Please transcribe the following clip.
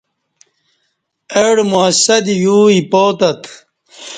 اہ ڈہ موسسہ دی یو ایپاتت